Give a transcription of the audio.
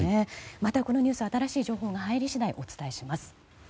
またこのニュース新しい情報が入り次第お伝えします。